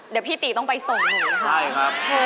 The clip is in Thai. เดี๋ยวพี่ตีต้องไปส่งหนูค่ะใช่ครับ